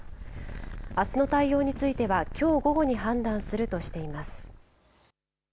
あすの対応については、きょう午後に判断するとしています。